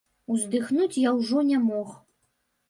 Уздыхнуць я ўжо не мог.